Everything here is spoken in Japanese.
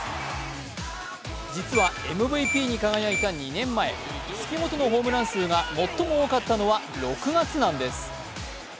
実はＭＶＰに輝いた２年前、月ごとのホームラン数が最も多かったのは６月なんです。